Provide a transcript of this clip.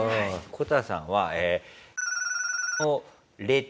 こたさんは。